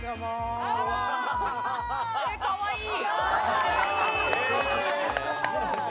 かわいい。